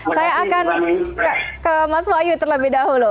saya akan ke mas wahyu terlebih dahulu